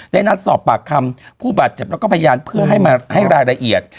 นัดสอบปากคำผู้บาดเจ็บแล้วก็พยานเพื่อให้มาให้รายละเอียด